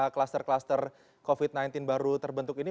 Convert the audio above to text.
kluster kluster covid sembilan belas baru terbentuk ini